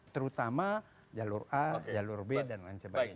terutama jalur a jalur b dan lain sebagainya